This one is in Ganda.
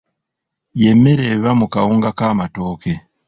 Ye mmere eva mu kawunga k'amatooke.